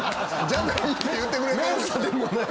じゃないって言ってくれてる。